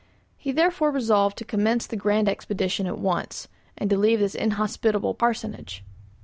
He therefore resolved to commence the grand expedition at once, and to leave this inhospitable parsonage.